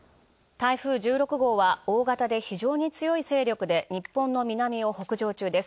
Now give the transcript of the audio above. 台風１６号は大型で非常に強い勢力で日本の南を北上中です。